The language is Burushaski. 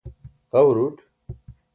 xa huruṭ